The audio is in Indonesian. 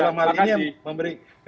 dalam hal ini memberikan